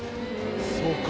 そうか。